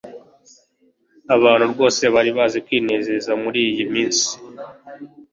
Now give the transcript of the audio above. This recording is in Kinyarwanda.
Abantu rwose bari bazi kwinezeza muriyi minsi